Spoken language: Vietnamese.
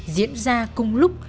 diễn ra cùng lúc